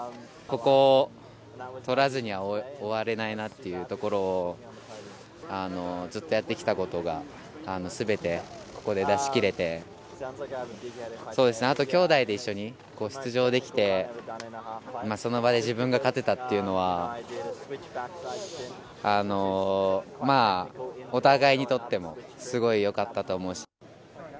ここを取らずには終われないなというところをずっとやってきたことが全てここで出し切れて、あと、きょうだいで一緒に出場できて、その場で自分が勝てたというのは、まぁ、お互いにとってもすごいよかったと思うし。